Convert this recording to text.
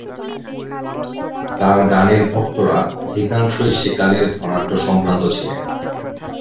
তার গানের ভক্তরা অধিকাংশই সেকালের ধনাঢ্য সম্ভ্রান্ত ছিলেন।